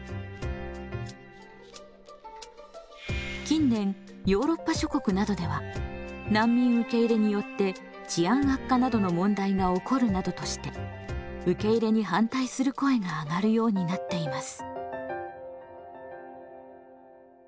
近年ヨーロッパ諸国などでは難民受け入れによって治安悪化などの問題が起こるなどとして受け入れに反対する声があがるようになっています。